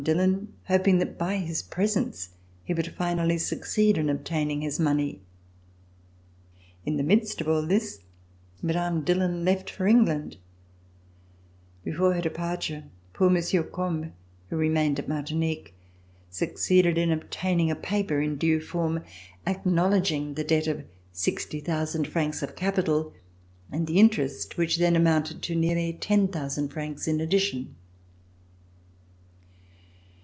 Dillon, hoping that by his presence he would finally succeed in obtaining his money. In the midst of all this, Mme. Dillon left for England. Before her departure, poor Monsieur Combes who remained at Martinique succeeded in obtaining a paper, in due C289] RECOLLECTIONS OF THE REVOLUTION form, acknowledging the debt of 60,000 francs of capital and the interest which then amounted to nearly 10,000 francs, in addition.